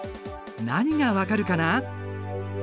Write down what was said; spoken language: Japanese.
何が分かるかな？